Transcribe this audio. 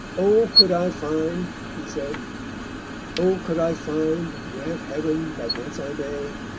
"O could I find," he said _O could I find (Grant, Heaven, that once I may!)